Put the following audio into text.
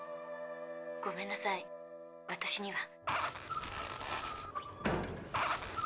ごめんなさい私には。